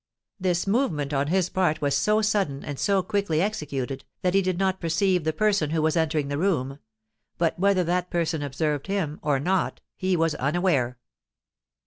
This movement on his part was so sudden and so quickly executed, that he did not perceive the person who was entering the room; but whether that person observed him, or not, he was unaware.